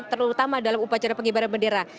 terutama dalam upacara pengibaran bendera